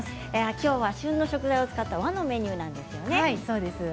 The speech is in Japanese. きょうは旬の食材を使った和のメニューなんですよね。